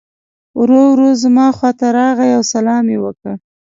ورو ورو زما خواته راغی او سلام یې وکړ.